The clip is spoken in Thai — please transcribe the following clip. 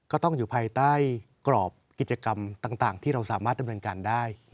ก็ต้องอยู่ภายใต้กรอบกิจกรรมต่างที่เราสามารถดำเนินการได้